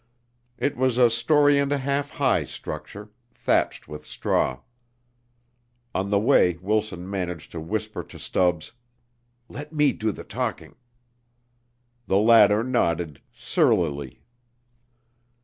It was a story and a half high structure, thatched with straw. On the way Wilson managed to whisper to Stubbs: "Let me do the talking." The latter nodded surlily.